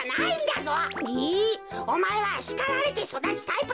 おまえはしかられてそだつタイプだ。